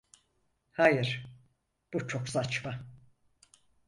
Hayır, bu çok saçma.